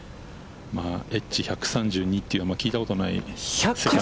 エッジ１３２というのはあんまり聞いたことがない。